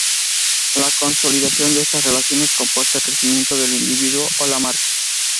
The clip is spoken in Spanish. La consolidación de estas relaciones comporta el crecimiento del individuo o la marca.